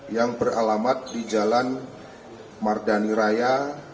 yang beralamat di jalan mardani raya